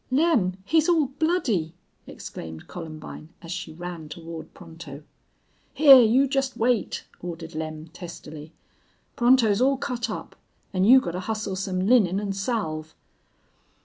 "Lem, he's all bloody!" exclaimed Columbine, as she ran toward Pronto. "Hyar, you jest wait," ordered Lem, testily. "Pronto's all cut up, an' you gotta hustle some linen an' salve."